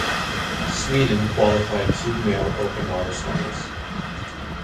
Sweden qualified two male open water swimmers.